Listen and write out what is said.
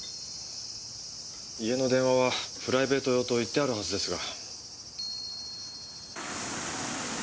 家の電話はプライベート用と言ってあるはずですが。